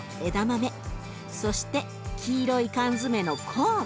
そして黄色い缶詰のコーン。